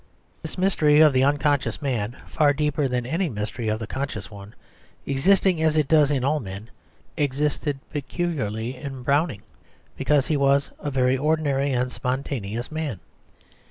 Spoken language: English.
This mystery of the unconscious man, far deeper than any mystery of the conscious one, existing as it does in all men, existed peculiarly in Browning, because he was a very ordinary and spontaneous man.